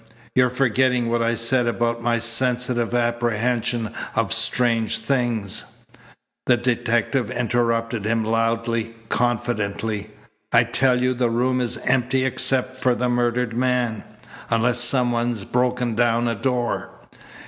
"You're forgetting what I said about my sensitive apprehension of strange things " The detective interrupted him loudly, confidently: "I tell you the room is empty except for the murdered man unless someone's broken down a door."